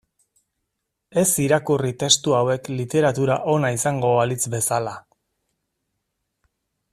Ez irakurri testu hauek literatura ona izango balitz bezala.